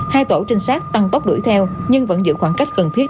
hai tổ trinh sát tăng tốc đuổi theo nhưng vẫn giữ khoảng cách cần thiết